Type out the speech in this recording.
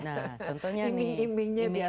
nah contohnya nih contohnya apa saja